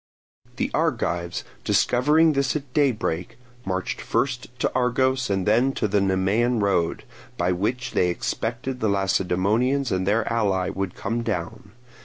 The Argives discovering this at daybreak, marched first to Argos and then to the Nemean road, by which they expected the Lacedaemonians and their allies would come down.